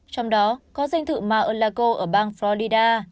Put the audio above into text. trong đó có danh thự mar a lago ở bang florida